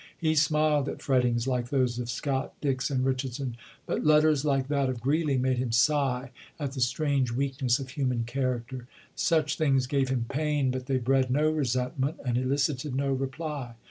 He smiled at frettings like those of Scott, Dix, and Richard son ; but letters like that of Grreeley made him sigh at the strange weakness of human character. Such things gave him pain, but they bred no resentment, and elicited no reply.